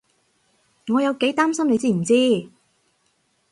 我有幾擔心你知唔知？